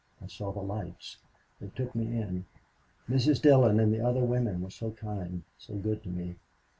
I saw the lights. They took me in. Mrs. Dillon and the other women were so kind, so good to me.